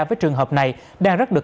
với trường hợp này đang rất được